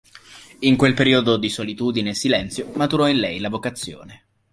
In quel periodo di solitudine e silenzio maturò in lei la vocazione.